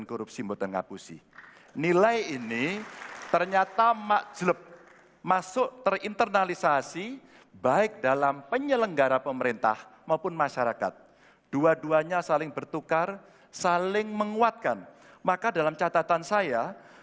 kami mohon sedian anda semua untuk berdiri menyanyikan lagu kebangsaan indonesia raya